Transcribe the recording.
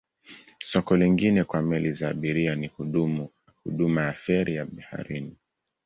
Soko lingine kwa meli za abiria ni huduma ya feri za baharini.